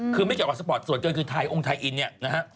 คือไม่เกี่ยวกับสปอร์ตส่วนเกินคือไทยองค์ไทยอินเนี่ยนะฮะ